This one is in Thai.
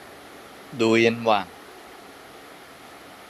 ดูยันสว่าง